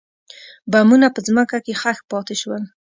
بمونه په ځمکه کې ښخ پاتې شول.